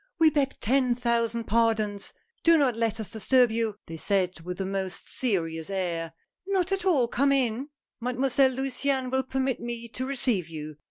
"We beg ten thousand pardons! Do not let us disturb you," they said with a most serious air. "Not at all, come in! Mademoiselle Luciane will permit me to receive you.